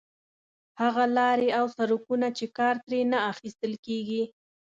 هغه لارې او سړکونه چې کار ترې نه اخیستل کېږي.